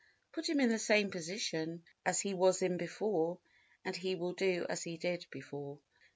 Put him in the same position as he was in before and he will do as he did before.